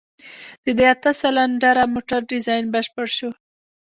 د دې اته سلنډره موټر ډيزاين بشپړ شو.